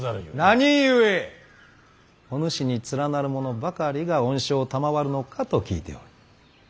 何故おぬしに連なる者ばかりが恩賞を賜るのかと聞いておる。